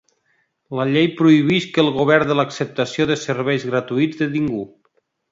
La llei prohibeix que el govern de l'acceptació de serveis gratuïts de ningú.